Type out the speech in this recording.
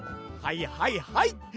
はいはいはい！